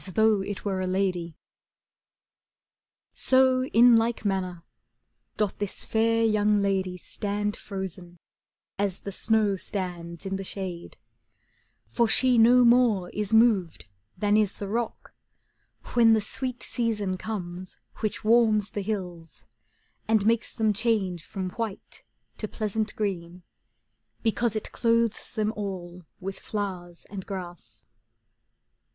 He 106 CANZONIERE So in like manner doth this fair young lady Stand frozen, as the snow stands in the shade, For she no more is moved than is the rock, When the sweet season comes which warms the hills, '« And makes them change from white to pleasant green, Because it clothes them all with flowers and grass.